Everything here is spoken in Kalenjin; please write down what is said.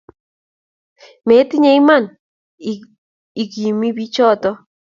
metinye iman ikuumu biichoto